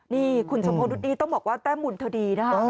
นี่คุณชมพูนุษย์ต้องบอกว่าแต้มุนเท่าดีนะฮะ